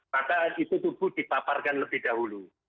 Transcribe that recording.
maka itu tubuh dipaparkan lebih dahulu